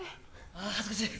あ恥ずかしい。